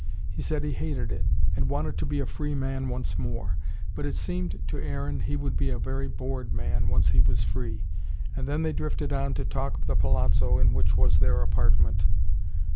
He said he hated it, and wanted to be a free man once more. But it seemed to Aaron he would be a very bored man, once he was free. And then they drifted on to talk of the palazzo in which was their apartment.